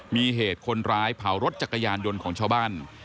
มีเหตุคนร้ายเผารถจักรยานยนต์ของชาวบ้าน